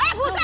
eh gue usah